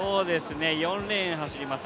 ４レーン走ります